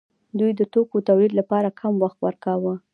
دوی د توکو تولید لپاره کم وخت ورکاوه.